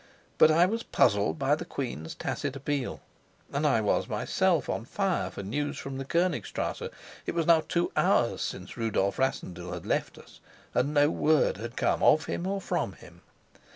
But I was puzzled by the queen's tacit appeal. And I was myself on fire for news from the Konigstrasse. It was now two hours since Rudolf Rassendyll had left us, and no word had come of him or from him.